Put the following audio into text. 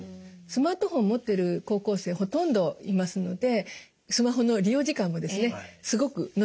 スマートフォンを持ってる高校生ほとんどいますのでスマホの利用時間もですねすごく延びています。